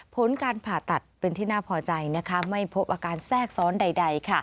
ผลการผ่าตัดเป็นที่น่าพอใจไม่พบอาการแทรกซ้อนใด